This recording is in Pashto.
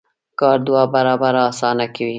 کار دوه برابره اسانه کوي.